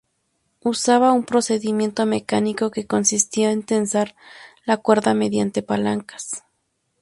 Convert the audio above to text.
Usaba un procedimiento mecánico que consistía en tensar la cuerda mediante palancas.